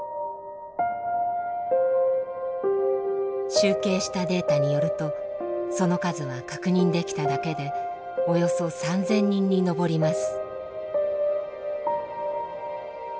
集計したデータによるとその数は確認できただけでおよそ３，０００人に上ります。